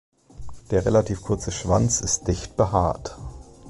Der relativ kurze Schwanz ist dicht behaart.